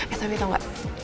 eh tapi tau gak